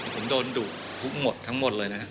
ผมโดนดุทุกหมดทั้งหมดเลยนะครับ